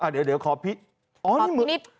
เดี๋ยวขอพิษ